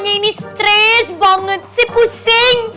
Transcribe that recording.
saya rasanya ini stres banget sih pusing